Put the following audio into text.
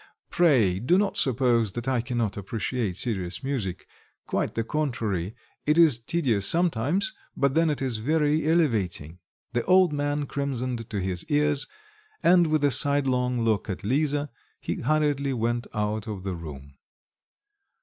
Pray, do not suppose that I cannot appreciate serious music quite the contrary: it is tedious sometimes, but then it is very elevating." The old man crimsoned to his ears, and with a sidelong look at Lisa, he hurriedly went out of the room.